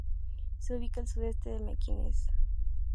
Se ubica al sudeste de Mequinez.